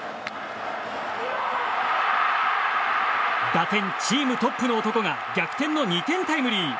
打点チームトップの男が逆転の２点タイムリー。